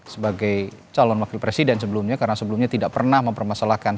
sebagai calon wakil presiden sebelumnya karena sebelumnya tidak pernah mempermasalahkan